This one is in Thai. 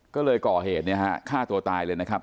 ก็เลยก่อเหตุเนี่ยฮะฆ่าตัวตายเลยนะครับ